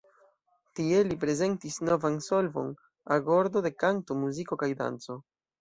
Tie li prezentis novan solvon: agordo de kanto, muziko kaj danco.